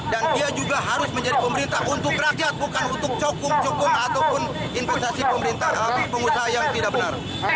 dan dia juga harus menjadi pemerintah untuk rakyat bukan untuk cokum cokum ataupun investasi pemerintah atau pengusaha yang tidak benar